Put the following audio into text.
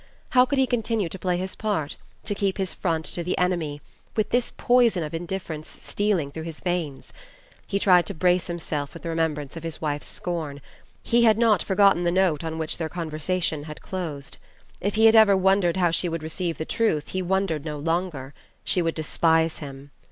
How could he continue to play his part, to keep his front to the enemy, with this poison of indifference stealing through his veins? He tried to brace himself with the remembrance of his wife's scorn. He had not forgotten the note on which their conversation had closed. If he had ever wondered how she would receive the truth he wondered no longer she would despise him.